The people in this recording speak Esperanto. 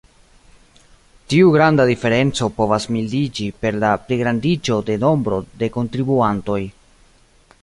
Tiu granda diferenco povas mildiĝi per la pligrandiĝo de nombro de kontribuantoj.